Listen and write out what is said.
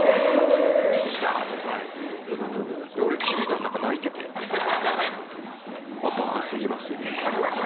菅田！って怒られて、俺、気付いたら、なんか泣いてて、ばかすぎますよね。